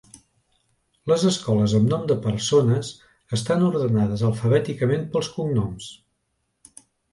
Les escoles amb nom de persones estan ordenades alfabèticament pels cognoms.